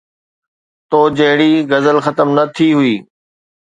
تو جهڙي غزل ختم نه ٿي هئي